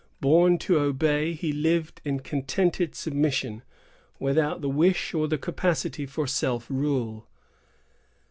Born to obey, he lived in contented submission, without the wish or the capacity for self rule.